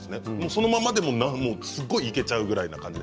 そのままでもいけちゃうぐらいな感じ。